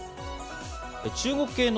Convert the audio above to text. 中国系の